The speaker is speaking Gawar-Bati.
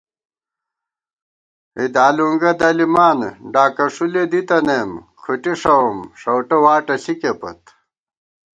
ہِدالُونگہ دَلِمان ڈاکہ ݭُلے دِتَنَئیم، کھٹی ݭَؤم ݭؤٹہ واٹہ ݪِکےپت